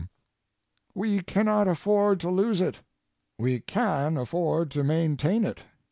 We cannot afford to lose it. We can afford to maintain it.